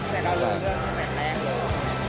แต่การเริ่มเรื่องตอนแรกเลยเหรอ